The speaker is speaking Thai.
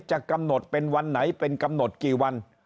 จะกำหนดเป็นวันไหนเป็นกำหนดกี่วัน